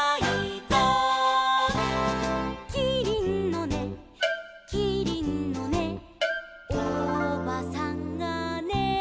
「キリンのねキリンのねおばさんがね」